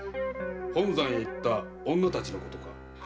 本山へ行った女たちのことか？